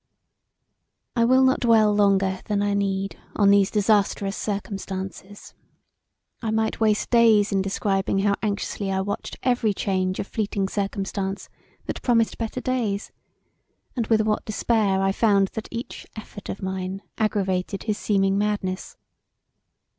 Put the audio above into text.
I will not dwell longer than I need on these disastrous circumstances. I might waste days in describing how anxiously I watched every change of fleeting circumstance that promised better days, and with what despair I found that each effort of mine aggravated his seeming madness.